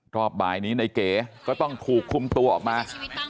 รอบบ่ายนี้ในเก๋ก็ต้องถูกคุมตัวออกมา